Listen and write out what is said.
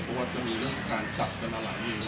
ก็เห็นว่ามีเรื่องจับตรงนั้นหลางมีว่า